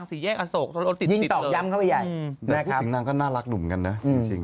น้องก็น่ารักหนุ่มกันโน้น